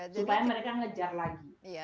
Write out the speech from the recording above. supaya mereka mengejar lagi